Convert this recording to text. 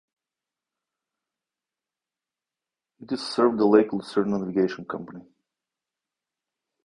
It is served the Lake Lucerne Navigation Company.